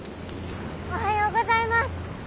おはようございます。